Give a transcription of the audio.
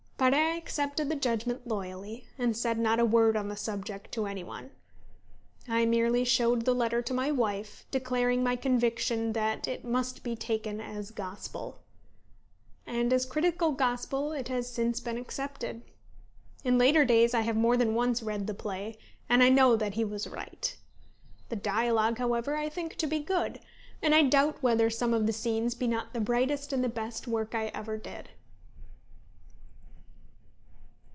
But I accepted the judgment loyally, and said not a word on the subject to any one. I merely showed the letter to my wife, declaring my conviction, that it must be taken as gospel. And as critical gospel it has since been accepted. In later days I have more than once read the play, and I know that he was right. The dialogue, however, I think to be good, and I doubt whether some of the scenes be not the brightest and best work I ever did.